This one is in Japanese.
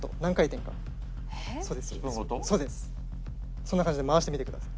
そんな感じで回してみてください。